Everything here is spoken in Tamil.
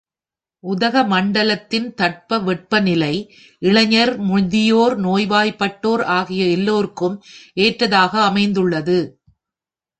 உதகமண்டலத்தின் தட்ப வெப்பநிலை இளைஞர், முதியோர், நோய்வாய்ப்பட்டோர் ஆகிய எல்லாருக்கும் ஏற்றதாக அமைந்துள்ளது.